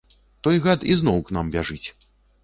Той гад ізноў к нам бяжыць.